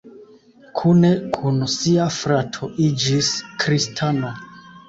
Kune kun sia frato iĝis kristano.